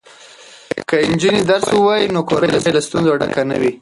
که نجونې درس ووایي نو کورنۍ به له ستونزو ډکه نه وي.